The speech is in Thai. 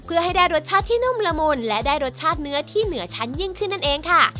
เพื่อให้ได้รสชาติที่นุ่มละมุนและได้รสชาติเนื้อที่เหนือชั้นยิ่งขึ้นนั่นเองค่ะ